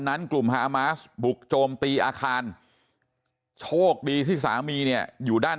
นั้นกลุ่มฮามาสบุกโจมตีอาคารโชคดีที่สามีเนี่ยอยู่ด้าน